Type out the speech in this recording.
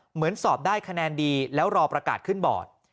เหมือนสอบได้คะแนนดีแล้วรอประกาศขึ้นบอร์ด